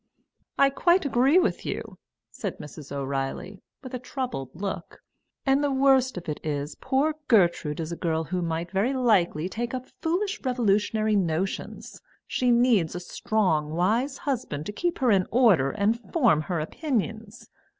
"I quite agree with you," said Mrs. O'Reilly, with a troubled look. "And the worst of it is, poor Gertrude is a girl who might very likely take up foolish revolutionary notions; she needs a strong wise husband to keep her in order and form her opinions.